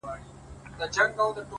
• نه ملکانو څه ویل نه څه ویله مُلا,